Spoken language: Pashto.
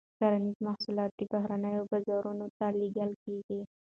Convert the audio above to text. کرنیز محصولات بهرنیو بازارونو ته لیږل کیږي.